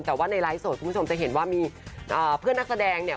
แต่ว่าในไลฟ์สดคุณผู้ชมจะเห็นว่ามีเพื่อนนักแสดงเนี่ย